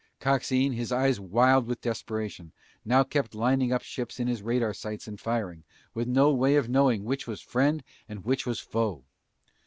Coxine, his eyes wild with desperation, now kept lining up ships in his radar sights and firing, with no way of knowing which was friend and which was foe.